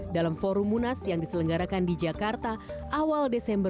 dalam forum munas yang diselenggarakan di jakarta awal desember dua ribu sembilan belas